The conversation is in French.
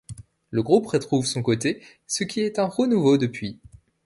Le groupe retrouve son côté ', ce qui est un renouveau depuis '.